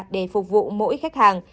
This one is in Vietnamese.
để phục vụ mỗi khách hàng